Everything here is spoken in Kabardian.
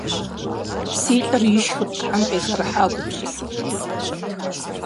Си лыр ишхырт щхьэм къизэрыхьа гупсысэм.